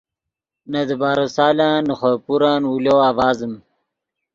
نے دیبارو سالن نے خوئے پورن اولو آڤازیم